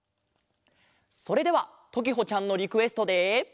それではときほちゃんのリクエストで。